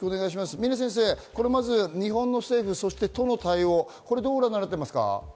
峰先生、まず日本の政府の対応、どうご覧になっていますか？